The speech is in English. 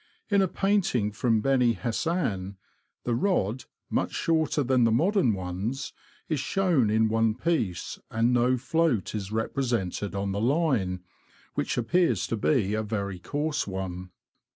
In a painting from Beni Hassan, the rod, much shorter than the modern ones, is shown in one piece, and no float is represented on the line, which appears to be a very coarse one.